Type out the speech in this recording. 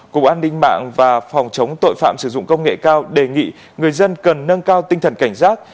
cục an ninh mạng và phòng chống tội phạm sử dụng công nghệ cao đề nghị người dân cần nâng cao tinh thần cảnh giác